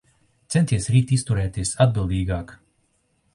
Centies rīt izturēties atbildīgāk.